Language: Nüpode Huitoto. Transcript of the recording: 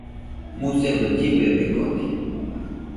Musedo llibebekode